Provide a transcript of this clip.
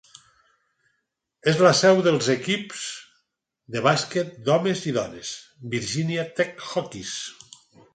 És la seu dels equips de bàsquet d'homes i dones Virginia Tech Hokies.